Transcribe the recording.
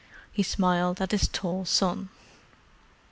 He smiled at his tall son.